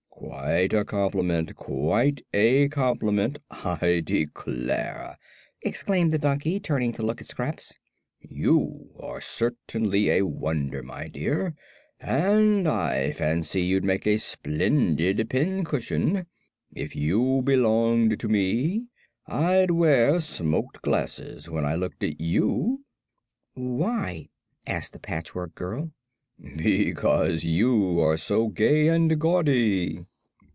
"Quite a compliment! Quite a compliment, I declare," exclaimed the donkey, turning to look at Scraps. "You are certainly a wonder, my dear, and I fancy you'd make a splendid pincushion. If you belonged to me, I'd wear smoked glasses when I looked at you." "Why?" asked the Patchwork Girl. "Because you are so gay and gaudy."